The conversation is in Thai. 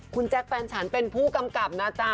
คุณแจ๊คแฟนฉันเป็นผู้กำกับนะจ๊ะ